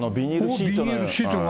ビニールシートが。